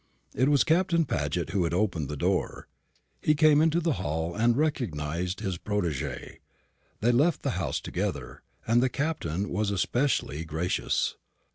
It was Captain Paget who had opened the door. He came into the hall and recognised his protégé. They left the house together, and the Captain was especially gracious.